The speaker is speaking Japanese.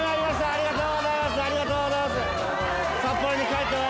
ありがとうございます。